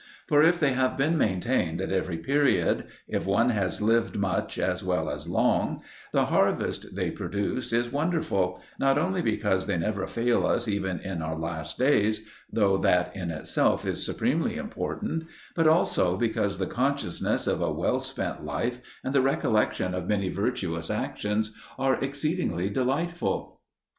For if they have been maintained at every period if one has lived much as well as long the harvest they produce is wonderful, not only because they never fail us even in our last days (though that in itself is supremely important), but also because the consciousness of a well spent life and the recollection of many virtuous actions are exceedingly delightful.